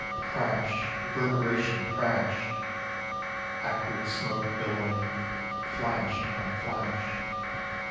Crash! Reverberation! Crash! Acrid smoke billowing. Flash upon flash.